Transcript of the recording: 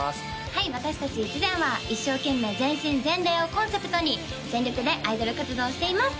はい私達いちぜん！は一生懸命全身全霊をコンセプトに全力でアイドル活動をしています